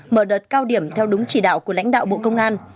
mở đợt cao điểm theo đúng chỉ đạo của lãnh đạo bộ công an